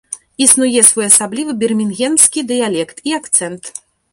Існуе своеасаблівы бірмінгемскі дыялект і акцэнт.